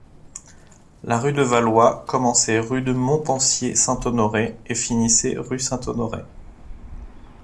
La rue de Valois commençait rue de Montpensier-Saint-Honoré et finissait rue Saint-Honoré.